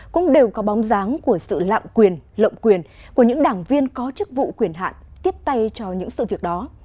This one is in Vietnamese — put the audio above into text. cũng đều có bóng dáng của sự lạm quyền lộng quyền của những đảng viên có chức vụ quyền hạn tiếp tay cho những sự việc đó